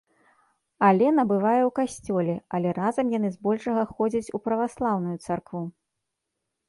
Алена бывае ў касцёле, але разам яны збольшага ходзяць у праваслаўную царкву.